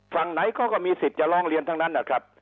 ฝั่งไหนเขาก็มีสิทธิ์จะร้องเรียนทั้งนั้นนะครับ